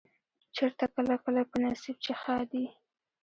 چرته کله کله په نصيب چې ښادي